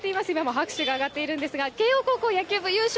拍手も上がっているんですが慶応高校野球部優勝